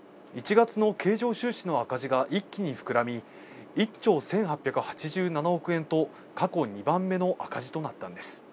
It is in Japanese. １月の経常収支の赤字が一気に膨らみ、１兆１８８７億円と過去２番目の赤字となったんです。